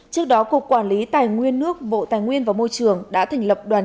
trước đó cục quản lý tài nguyên nước bộ tài nguyên và môi trường đã thành lập đoàn